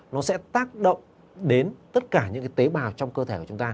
nó sẽ tác động đến tất cả những tế bào trong cơ thể